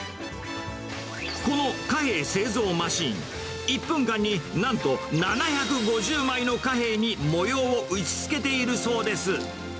この貨幣製造マシン、１分間になんと７５０枚の貨幣に模様を打ちつけているそうです。